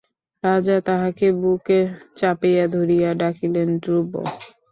রাজা তাহাকে বুকে চাপিয়া ধরিয়া ডাকিলেন, ধ্রুব!